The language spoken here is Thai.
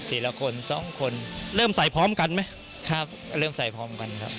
ละคนสองคนเริ่มใส่พร้อมกันไหมครับเริ่มใส่พร้อมกันครับ